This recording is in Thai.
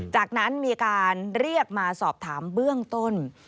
จากนั้นมีการเรียกมาสอบถามเบื้องต้น